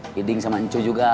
hiding sama ncu juga